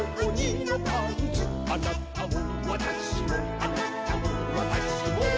「あなたもわたしもあなたもわたしも」